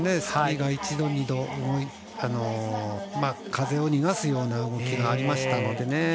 スキーが一度二度風を逃がすような動きがありましたのでね。